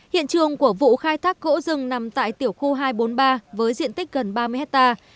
hiện trường của vụ khai thác gỗ rừng nằm tại tiểu khu hai trăm bốn mươi ba với diện tích gần ba mươi hectare